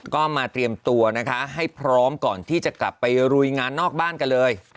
ก็มาเตรียมตัวนะคะให้พร้อมก่อนที่จะกลับไปลุยงานนอกบ้านกันเลย